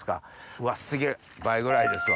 うわすげぇ倍ぐらいですわ。